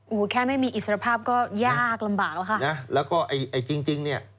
โอ้โหแค่ไม่มีอิสรภาพก็ยากลำบากแล้วค่ะนะแล้วก็ไอ้ไอ้จริงจริงเนี่ย